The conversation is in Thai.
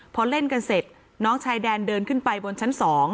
พอเล่นกันเสร็จน้องชายแดนเดินขึ้นไปบนชั้น๒